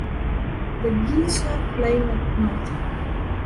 The geese are flying up north.